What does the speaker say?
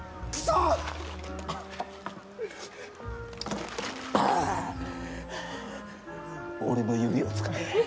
ああ、はあ俺の指を使え。